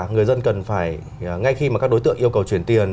người dân cần phải ngay khi mà các đối tượng yêu cầu chuyển tiền